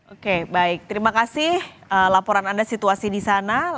oke baik terima kasih laporan anda situasi di sana